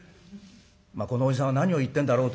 このおじさんは何を言ってんだろうという顔でね